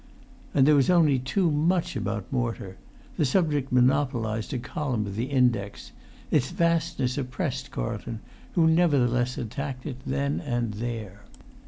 And there was only too much about mortar; the subject monopolised a column of the index; its vastness oppressed Carlton, who nevertheless attacked it then and there.